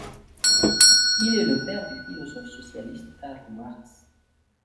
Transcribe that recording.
Il est le père du philosophe socialiste Karl Marx.